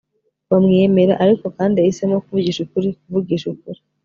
bamwemera. ariko kandi, yahisemo kuvugisha ukuri. kuvugisha ukuri